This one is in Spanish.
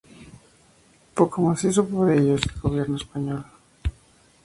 Poco más hizo por ellos el gobierno español.